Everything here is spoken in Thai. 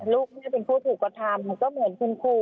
ลูกแม่เป็นผู้ถูกกระทำก็เหมือนคุณครู